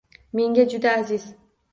Menga juda aziz